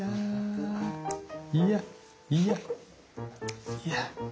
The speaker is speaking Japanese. いやいやいやいや。